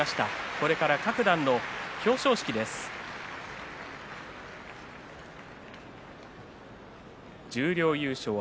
これから各段の表彰式が始まります。